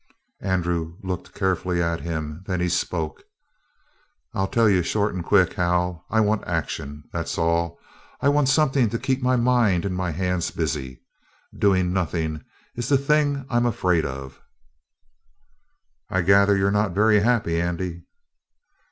Andrew looked carefully at him; then he spoke. "I'll tell you short and quick, Hal. I want action. That's all. I want something to keep my mind and my hands busy. Doing nothing is the thing I'm afraid of." "I gather you're not very happy, Andy?"